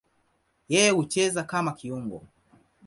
Yeye hucheza kama kiungo.